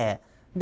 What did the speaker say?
で